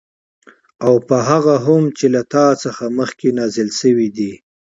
او په هغه هم چې له تا څخه مخكي نازل شوي دي